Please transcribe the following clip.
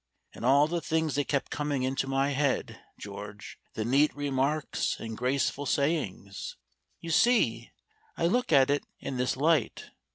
And all the things that kept coming into my head, George, the neat remarks and graceful sayings! "You see, I look at it in this light.